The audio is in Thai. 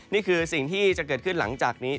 นี่คือสิ่งที่จะเกิดขึ้นหลังจากนี้